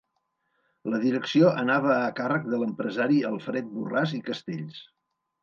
La direcció anava a càrrec de l’empresari Alfred Borràs i Castells.